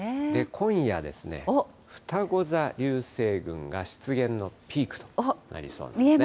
今夜ですね、ふたご座流星群が出現のピークとなりそうなんですね。